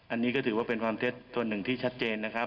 อันนี้ก็ถือว่าเป็นความเท็จส่วนหนึ่งที่ชัดเจนนะครับ